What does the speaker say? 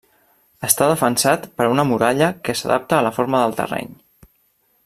Està defensat per una muralla que s'adapta a la forma del terreny.